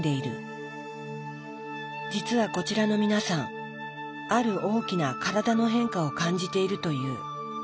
実はこちらの皆さんある大きな体の変化を感じているという。